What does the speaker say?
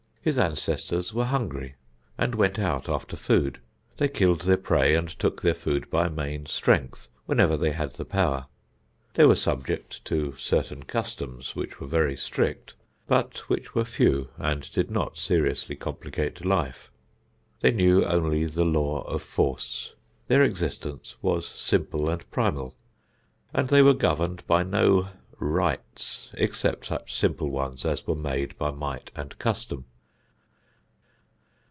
His ancestors were hungry and went out after food, they killed their prey and took their food by main strength whenever they had the power. They were subject to certain customs which were very strict, but which were few and did not seriously complicate life. They knew only the law of force. Their existence was simple and primal, and they were governed by no "rights," except such simple ones as were made by might and custom.